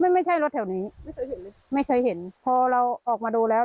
ไม่ใช่รถแถวนี้ไม่เคยเห็นเลยไม่เคยเห็นพอเราออกมาดูแล้ว